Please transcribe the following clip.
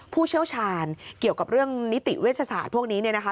ผู้เชี่ยวชาญเกี่ยวกับเรื่องนิติเวชศาสตร์พวกนี้เนี่ยนะคะ